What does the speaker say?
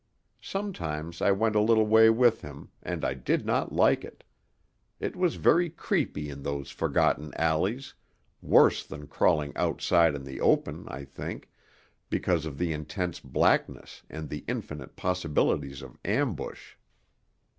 Sometimes I went a little way with him, and I did not like it. It was very creepy in those forgotten alleys, worse than crawling outside in the open, I think, because of the intense blackness and the infinite possibilities of ambush.